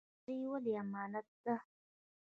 اداره ولې امانت ده؟